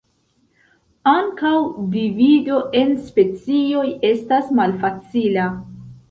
Ankaŭ divido en specioj estas malfacila.